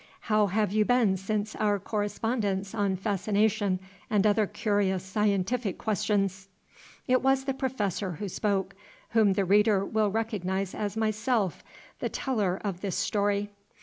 How have you been since our correspondence on Fascination and other curious scientific questions?" It was the Professor who spoke, whom the reader will recognize as myself, the teller of this story.